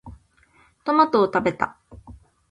トマトを食べた。